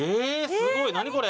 すごい何これ？